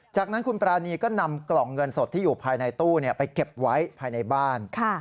จากนั้นคุณปรานีก็นำกล่องเงินสดที่อยู่ภายในตู้ไปเก็บไว้ภายในบ้าน